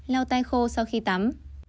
lau tay khô sau khi tắm